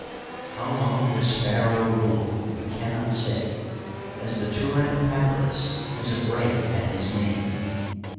How long this pharaoh ruled we can not say, as the Turin Papyrus has a break at his name.